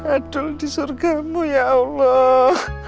adul di surga mu ya allah